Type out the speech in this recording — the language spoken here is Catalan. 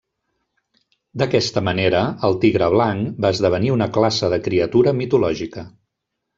D'aquesta manera, el tigre blanc, va esdevenir una classe de criatura mitològica.